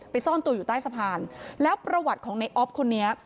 ซ่อนตัวอยู่ใต้สะพานแล้วประวัติของในออฟคนนี้